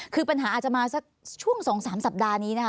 คือปัญหาอาจจะมาสักช่วง๒๓สัปดาห์นี้นะคะ